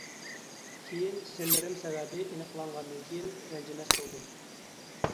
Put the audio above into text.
كېيىن سىرلىرىم سەۋەبى ئېنىقلانغاندىن كېيىن رەنجىمەس بولدۇم.